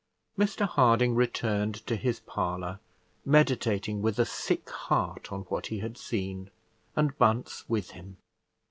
Mr Harding returned to his parlour, meditating with a sick heart on what he had seen, and Bunce with him.